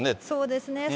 そうですね。